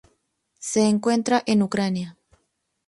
Se encuentra en Ucrania.